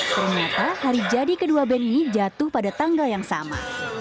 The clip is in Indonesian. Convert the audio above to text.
ternyata hari jadi kedua band ini jatuh pada tanggal yang sama